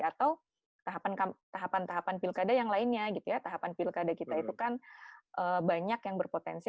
atau tahapan tahapan pilkada yang lainnya gitu ya tahapan pilkada kita itu kan banyak yang berpotensi